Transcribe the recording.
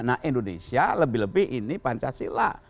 nah indonesia lebih lebih ini pancasila